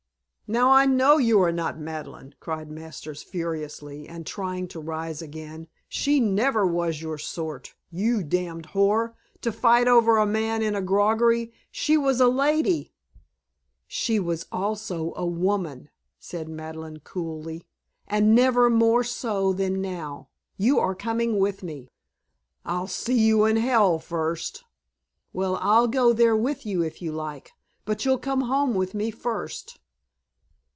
"Now I know you are not Madeleine," cried Masters furiously, and trying to rise again. "She never was your sort, you damned whore, to fight over a man in a groggery. She was a lady " "She was also a woman," said Madeleine coolly. "And never more so than now. You are coming with me." "I'll see you in hell first." "Well, I'll go there with you if you like. But you'll come home with me first."